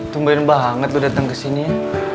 tungguin banget lo dateng kesini ya